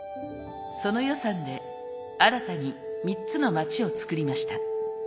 その予算で新たに３つの街を作りました。